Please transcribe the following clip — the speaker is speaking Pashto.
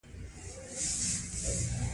هغه عادي خلکو ته روحیه ورکوله.